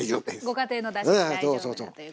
ご家庭のだしで大丈夫だということですね。